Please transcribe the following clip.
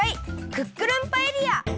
クックルンパエリア！